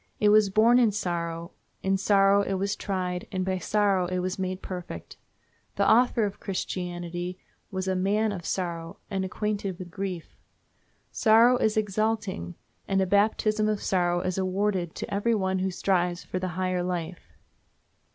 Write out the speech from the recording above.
It was born in sorrow, in sorrow it was tried, and by sorrow it was made perfect. The Author of Christianity was a "man of sorrow and acquainted with grief." Sorrow is exalting, and a baptism of sorrow is awarded to every one who strives for the higher life.